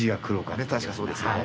確かそうですよね。